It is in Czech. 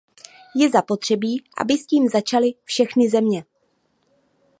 Je zapotřebí, aby s tím začaly všechny země.